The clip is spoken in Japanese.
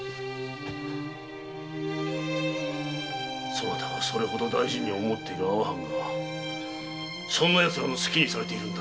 そなたがそれほど大事に思っている阿波藩がそんなヤツらの好きにされているんだ。